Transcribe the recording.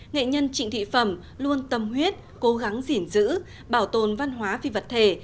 nghệ nhân trịnh thị phẩm luôn tâm huyết cố gắng dình giữ bảo tồn văn hóa phi vật thể